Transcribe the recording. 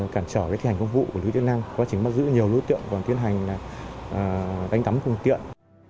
cản trở cái thi hành công vụ của đối tượng năng quá trình bắt giữ nhiều đối tượng còn tiến hành là đánh tắm không tiện